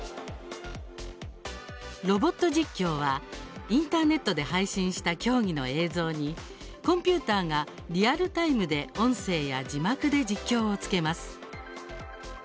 ロボット実況はインターネットで配信した競技の映像にコンピューターがリアルタイムで音声や字幕で実況をつけます。